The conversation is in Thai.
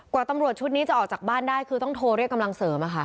กว่าตำรวจชุดนี้จะออกจากบ้านได้คือต้องโทรเรียกกำลังเสริมค่ะ